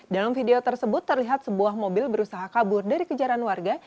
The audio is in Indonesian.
dalam video tersebut terlihat sebuah mobil berusaha kabur dari kejaran warga